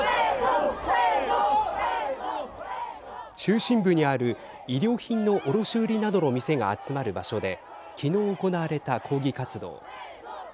中心部にある衣料品の卸売りなどの店が集まる場所できのう行われた抗議活動。